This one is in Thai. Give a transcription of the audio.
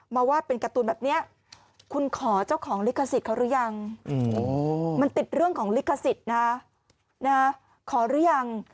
มันติดเรื่องของลิขสิทธิ์นะขอเรียง